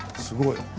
すごい。